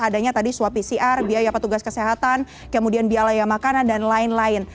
adanya tadi swab pcr biaya petugas kesehatan kemudian biaya makanan dan lain lain